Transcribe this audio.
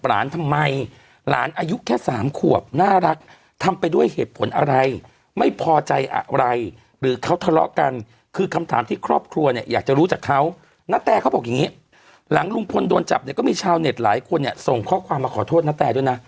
อะไรหรือเขาทะเลาะกันคือคำถามที่ครอบครัวเนี่ยอยากจะรู้จักเขาณแต่เขาบอกอย่างงี้หลังลุงพลโดนจับเนี่ยก็มีชาวเน็ตหลายคนเนี่ยส่งข้อความมาขอโทษนะแต่ด้วยนะ